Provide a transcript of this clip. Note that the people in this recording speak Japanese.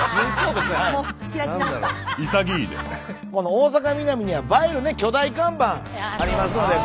大阪ミナミには映える巨大看板ありますので。